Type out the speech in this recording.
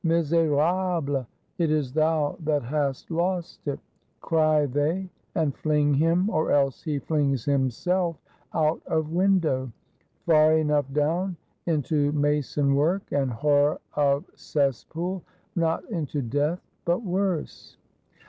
"^^ Miserable, it is thou that hast lost it!" cry they; and fling him, or else he flings himself out of window: far enough down; into mason work and horror of cesspool; not into death, but worse.